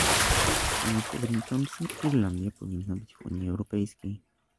Panie przewodniczący, Irlandia powinna być w Unii Europejskiej